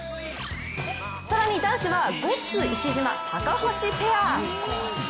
更に男子はゴッツ石島・高橋ペア。